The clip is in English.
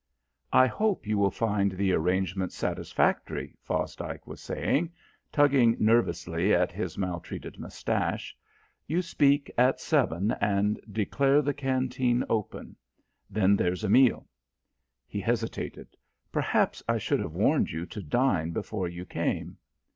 "I hope you will find the arrangements satisfactory," Fosdike was saying, tugging nervously at his maltreated moustache. "You speak at seven and declare the canteen open. Then there's a meal." He hesitated. "Perhaps I should have warned you to dine before you came."